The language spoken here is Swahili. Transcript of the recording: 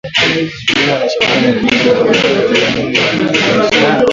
mkulima anashauriwa kuongeza dhamani ya viazi lishe